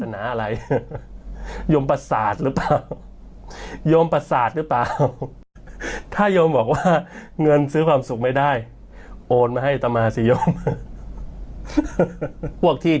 นี่มันอาจเป็นกินที่ให้ผ่าไส้วิต